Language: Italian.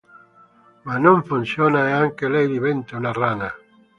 Ma non funziona e anche lei diventa una rana.